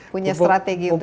punya strategi untuk itu